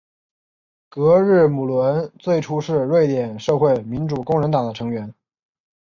格日姆伦最初是瑞典社会民主工人党的成员。